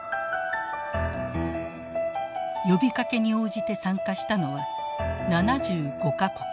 呼びかけに応じて参加したのは７５か国。